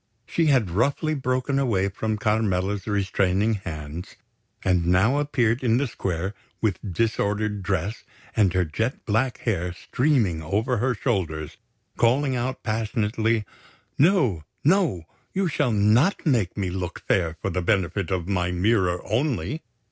She had roughly broken away from Carmela's restraining hands, and now appeared in the square with disordered dress and her jet black hair streaming over her shoulders, calling out passionately: "No! No! You shall not make me look fair for the benefit of my mirror only!